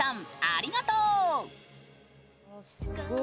ありがとう！